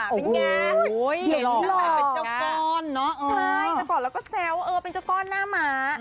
เป็นไงเห็นนั่นแหละเป็นเจ้าก้อนเนอะใช่แต่ก่อนเราก็แซวเออเป็นเจ้าก้อนหน้าม้า